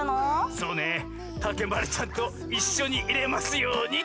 そうねたけまりちゃんといっしょにいれますようにって！